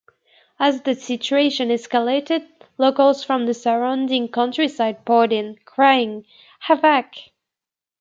As the situation escalated, locals from the surrounding countryside poured in, crying: Havac!